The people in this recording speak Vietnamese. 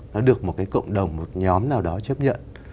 nó được một cái cộng đồng một nhóm nào đó chấp nhận